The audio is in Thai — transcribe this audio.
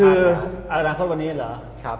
คืออนาคตวันนี้เหรอ